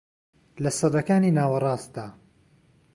لە سەدەکانی ناوەڕاستدا